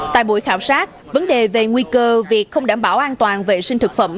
tại buổi khảo sát vấn đề về nguy cơ việc không đảm bảo an toàn vệ sinh thực phẩm